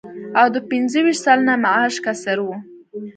او د پنځه ویشت سلنه معاش کسر و